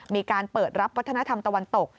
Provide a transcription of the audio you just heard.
มีการเปิดรับวัฒนธรรมตะวันตก